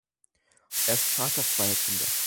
Er ist Vater zweier Kinder.